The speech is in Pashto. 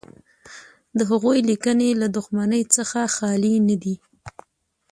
د هغوی لیکنې له دښمنۍ څخه خالي نه دي.